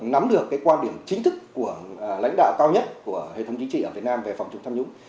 nắm được cái quan điểm chính thức của lãnh đạo cao nhất của hệ thống chính trị ở việt nam về phòng chống tham nhũng